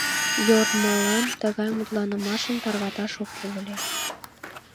Йормалан тыгай мутланымашым тарваташ ок кӱл ыле.